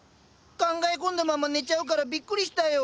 考え込んだまま寝ちゃうからビックリしたよ。